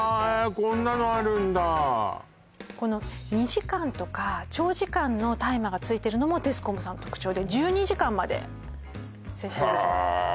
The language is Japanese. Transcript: こんなのあるんだこの２時間とか長時間のタイマーがついてるのもテスコムさんの特徴で１２時間まで設定できますへえ